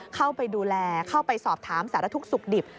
เข้าไปดูแลเข้าไปสอบถามสารทุกข์สุขดิบ